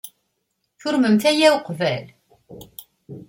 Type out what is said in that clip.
Turmemt aya uqbel?